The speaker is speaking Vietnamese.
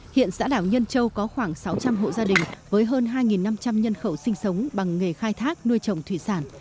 hiện xã đảo nhân châu có khoảng sáu trăm linh hộ gia đình với hơn hai năm trăm linh nhân khẩu sinh sống bằng nghề khai thác nuôi trồng thủy sản